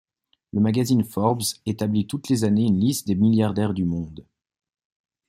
Le magazine Forbes établit toutes les années une liste des milliardaires du monde.